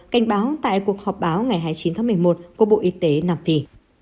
cảnh báo tại cuộc họp báo ngày hai mươi chín tháng một mươi một của bộ y tế nam phi